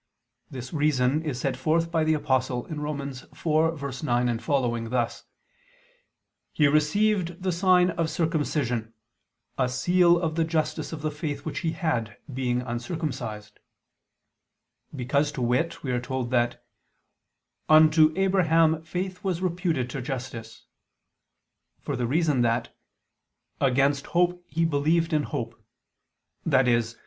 This reason is set forth by the Apostle (Rom. 4:9, seqq.) thus: "He received the sign of circumcision, a seal of the justice of the faith which he had, being uncircumcised"; because, to wit, we are told that "unto Abraham faith was reputed to justice," for the reason that "against hope he believed in hope," i.e.